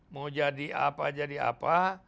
mau jadi apa jadi apa